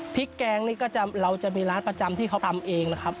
แกงนี่ก็จะเราจะมีร้านประจำที่เขาทำเองนะครับ